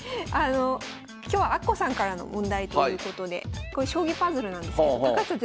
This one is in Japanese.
今日はあっこさんからの問題ということでこれ将棋パズルなんですけど高橋さん